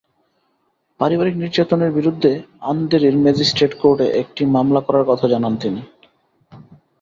পারিবারিক নির্যাতনের বিরুদ্ধে আন্ধেরির ম্যাজিস্ট্রেট কোর্টে একটি মামলা করার কথা জানান তিনি।